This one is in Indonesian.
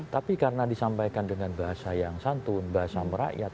tapi karena disampaikan dengan bahasa yang santun bahasa merakyat